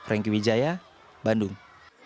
rengki wijaya bandung